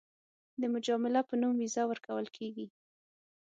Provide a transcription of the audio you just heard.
د مجامله په نوم ویزه ورکول کېږي.